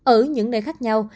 ở những nơi khác nhau